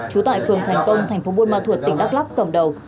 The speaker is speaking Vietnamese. trú tại phường thành công tp buôn ma thuột tỉnh đắk lắc cẩm đầu